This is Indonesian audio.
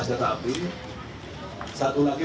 setiap api satu lagi